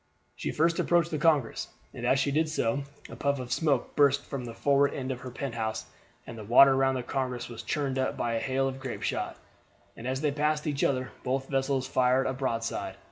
She first approached the Congress, and as she did so a puff of smoke burst from the forward end of her pent house, and the water round the Congress was churned up by a hail of grape shot. As they passed each other both vessels fired a broadside.